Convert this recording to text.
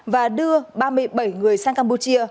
và đưa ba mươi bảy người sang campuchia